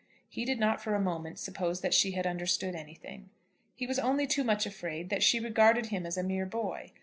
He did not for a moment suppose that she had understood anything. He was only too much afraid that she regarded him as a mere boy.